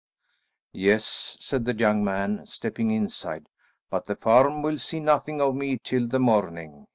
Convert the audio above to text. "Yes," said the young man stepping inside, "but the farm will see nothing of me till the morning.